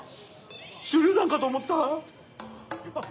手りゅう弾かと思った！